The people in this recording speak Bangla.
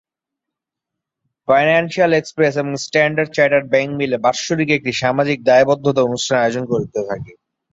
ফাইন্যান্সিয়াল এক্সপ্রেস এবং স্ট্যান্ডার্ড চার্টার্ড ব্যাংক মিলে বাৎসরিক একটি সামাজিক দায়বদ্ধতা অনুষ্ঠান আয়োজন করে থাকে।